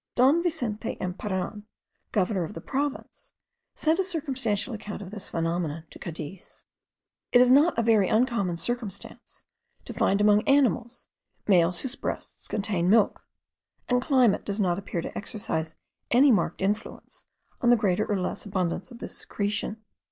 Don Vicente Emparan, governor of the province, sent a circumstantial account of this phenomenon to Cadiz. It is not a very uncommon circumstance, to find, among animals, males whose breasts contain milk; and climate does not appear to exercise any marked influence on the greater or less abundance of this secretion.